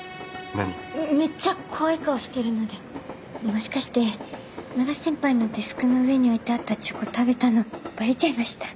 もしかして永瀬先輩のデスクの上に置いてあったチョコ食べたのバレちゃいました？